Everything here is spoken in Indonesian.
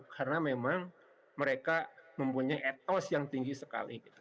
karena memang mereka mempunyai ethos yang tinggi sekali